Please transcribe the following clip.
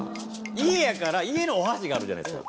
家やから家のお箸があるじゃないですか。